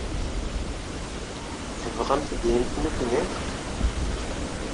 Tebɣamt ad d-tinimt nekkni?